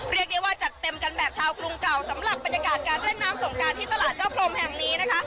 เรียกได้ว่าจัดเต็มกันแบบชาวกรุงเก่าสำหรับบรรยากาศการเล่นน้ำสงการที่ตลาดเจ้าพรมแห่งนี้นะคะ